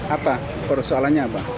apa persoalannya apa